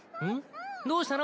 どうしたの？